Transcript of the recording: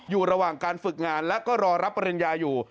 อยู่ระหว่างการฝึกงานและก็รอรับปริญญาอยู่